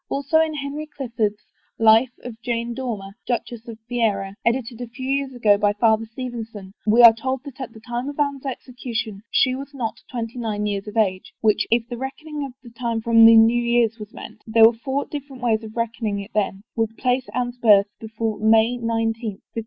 Also in Henry Clifford's " Life of Jane Dor mer, Duchess of Feria," edited a few years ago by Father Stevenson, we are told that at the time of Anne's execution, She was not 29 years of age," which, if the reckoning of time frcwn the New Years was meant — there were four different ways of reckoning it then — would place Anne's birth before May 19, 1507.